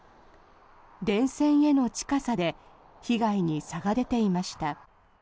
電線への近さで被害に差が出ていました。